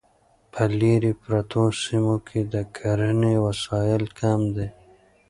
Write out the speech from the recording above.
په لیرې پرتو سیمو کې د کرنې وسایل کم دي.